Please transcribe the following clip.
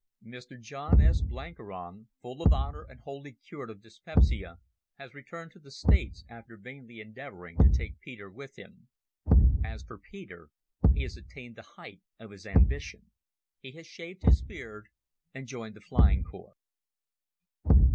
Mr John S. Blenkiron, full of honour and wholly cured of dyspepsia, has returned to the States, after vainly endeavouring to take Peter with him. As for Peter, he has attained the height of his ambition. He has shaved his beard and joined the Flying Corps.